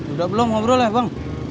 udah belum ngobrol ya bang